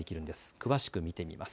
詳しく見てみます。